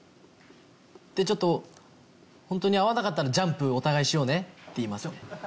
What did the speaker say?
でちょっとホントに会えなかったらジャンプお互いしようねって言います。